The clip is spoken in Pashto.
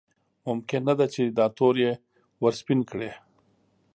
ممکن نه ده چې دا تور یې ورسپین کړي.